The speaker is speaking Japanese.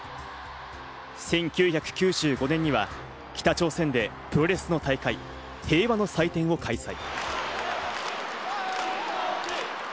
１９９５年には北朝鮮でプロレスの大会、平和の祭典を開催。